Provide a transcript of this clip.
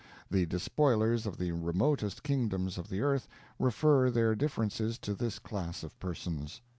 The despoilers of the remotest kingdoms of the earth refer their differences to this class of persons.